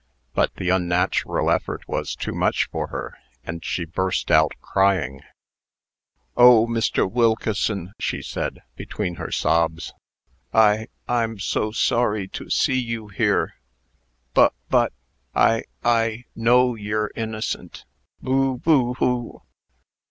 But the unnatural effort was too much for her, and she burst out crying. "Oh, Mr. Wilkeson!" she said, between her sobs, "I I'm so sorry to see you here; b but I I know yer innocent. Boo boo hoo!"